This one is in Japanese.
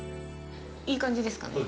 いい感じですかね？